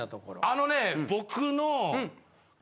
あのね僕の。